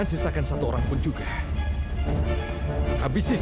dia tak tersendiri